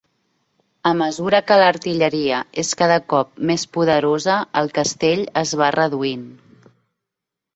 A mesura que l'artilleria és cada cop més poderosa el castell es va reduint.